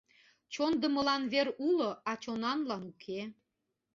— Чондымылан вер уло, а чонанлан уке!